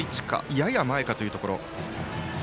やや前かというところ。